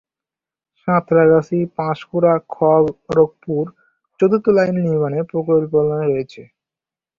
সাঁতরাগাছি-পাঁশকুড়া-খড়গপুর চতুর্থ লাইন নির্মাণের পরিকল্পনা রয়েছে।